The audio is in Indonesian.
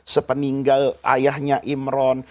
sepeninggal ayahnya imron